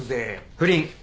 不倫。